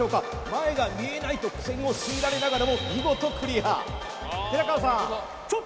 「前が見えない」と苦戦を強いられながらも寺川さん